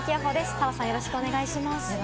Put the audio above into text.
澤さん、よろしくお願いします。